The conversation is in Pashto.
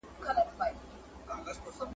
د هغوی کمپیوټر تر زموږ کمپیوټر پیاوړی دی.